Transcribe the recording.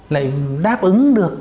lại đáp ứng được